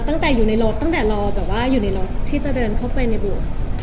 ตั้งแต่อยู่ในรถแต่ว่าอยู่ในรถที่จะเดินเข้าเป็นให้ดู